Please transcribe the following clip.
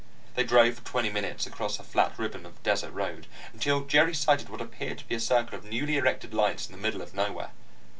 They drove for twenty minutes across a flat ribbon of desert road, until Jerry sighted what appeared to be a circle of newly erected lights in the middle of nowhere.